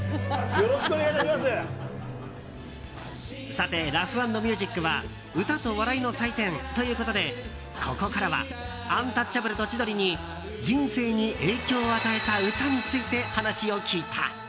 さて「ラフ＆ミュージック」は歌と笑いの祭典ということでここからはアンタッチャブルと千鳥に人生に影響を与えた歌について話を聞いた。